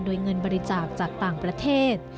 โดยเงินบริจาคจากต่างประเทศ